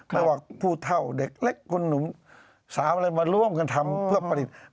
พวกผู้เซาเด็กเล็กคุณหนุ่มสาววันนี้มาร่วมกันทำเพื่อปริศนา